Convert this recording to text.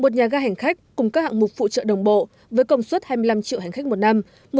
một nhà ga hành khách cùng các hạng mục phụ trợ đồng bộ với công suất hai mươi năm triệu hành khách một năm